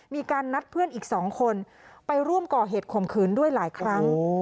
มีการนัดเพื่อนอีก๒คนไปร่วมก่อเหตุข่มขืนด้วยหลายครั้ง